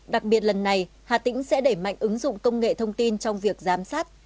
đặc biệt lần này hà tĩnh sẽ đẩy mạnh ứng dụng công nghệ thông tin trong việc giám sát